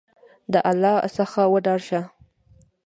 د الله څخه وډار شه !